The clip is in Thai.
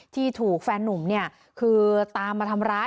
ที่ถูกแฟนหนุ่มคือตามมาทำร้าย